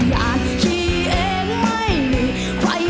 ทางเดินของใคร